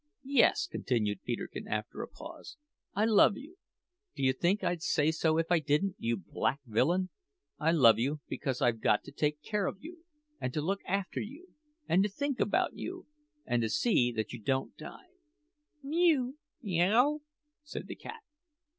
"Yes," continued Peterkin after a pause, "I love you. D'you think I'd say so if I didn't, you black villain? I love you because I've got to take care of you, and to look after you, and to think about you, and to see that you don't die " "Mew, me a w!" said the cat.